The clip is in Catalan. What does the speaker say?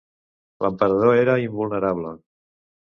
L’emperador era invulnerable.